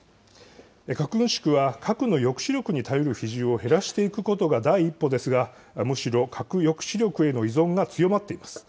核軍縮は核の抑止力に頼る比重を減らしていくことが第一歩ですが、むしろ核抑止力への依存が強まっています。